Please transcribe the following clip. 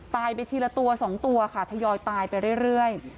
ตายไปทีละตัวสองตัวค่ะทยอยตายไปเรื่อยเรื่อย